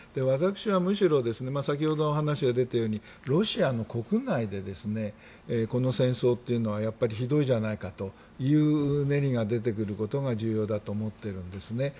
私は、むしろ先ほど話が出たようにロシアの国内でこの戦争というのはひどいじゃないかといううねりが出てくることが重要だと思っているんですね。